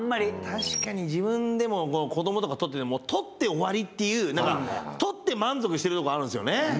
確かに自分でも子どもとか撮ってても撮って終わりっていう何か撮って満足してるとこあるんですよね。